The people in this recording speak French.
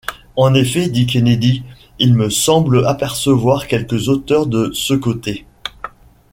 En effet, dit Kennedy, il me semble apercevoir quelques hauteurs de ce côté.